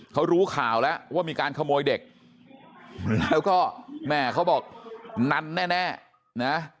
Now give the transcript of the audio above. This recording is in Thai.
เขารู้ข่าวแล้วว่ามีการขโมยเด็กแล้วก็แม่เขาบอกนันแน่นะ